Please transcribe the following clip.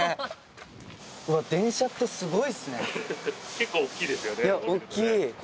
結構大きいですよね。